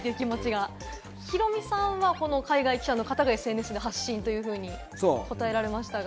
ヒロミさんはこの海外記者の方がＳＮＳで発信というふうに答えられましたが。